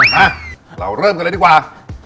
มาเราเริ่มกันเลยดีกว่า